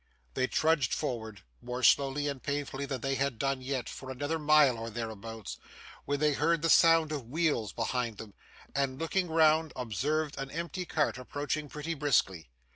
They trudged forward, more slowly and painfully than they had done yet, for another mile or thereabouts, when they heard the sound of wheels behind them, and looking round observed an empty cart approaching pretty briskly.